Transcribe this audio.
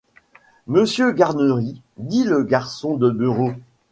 Monsieur Garnery, dit le garçon de bureau.